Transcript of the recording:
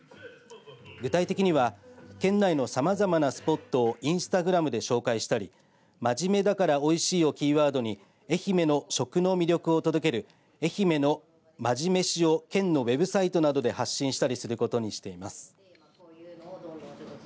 具体的には県内のさまざまなスポットをインスタグラムで紹介したりまじめだから美味しいをキーワードに愛媛の食の魅力を届けるえひめのまじめしを県のウェブサイトなどで発信することにしています。